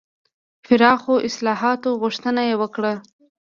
د پراخو اصلاحاتو غوښتنه یې وکړه.